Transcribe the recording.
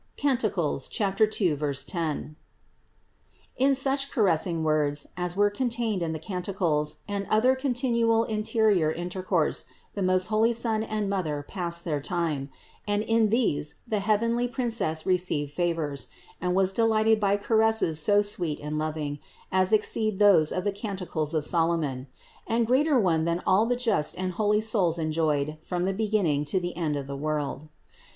(Cant. 2, 10). In such caressing words as were contained in the Canticles and other continual interior intercourse the most holy Son and Mother passed their time ; and in these the heavenly Princess received favors, and was delighted by caresses so sweet and loving, as exceed those of the Canticles of Solomon; and greater ones than all the just and holy souls enjoyed from the beginning to the end of the world.